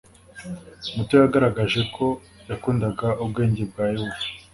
muto yagaragaje ko yakundaga ubwenge bwa yehova